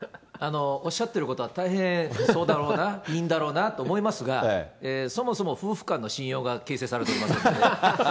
おっしゃってることは、大変そうなんだろうな、いいんだろうなと思いますが、そもそも夫婦間の信用が形成されておりませんで。